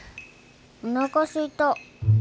おなかすいた。